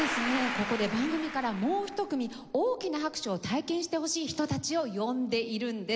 ここで番組からもう一組大きな拍手を体験してほしい人たちを呼んでいるんです。